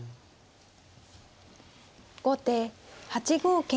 後手８五桂馬。